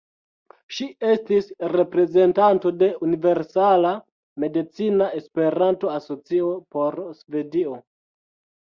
Ŝi estis reprezentanto de Universala Medicina Esperanto-Asocio por Svedio.